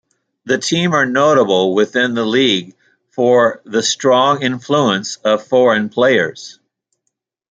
The team are notable within the league for the strong influence of foreign players.